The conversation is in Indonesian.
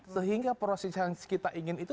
sehingga proses yang kita ingin itu